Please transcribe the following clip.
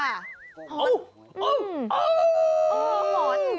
อ้าวอ้าวอ้าว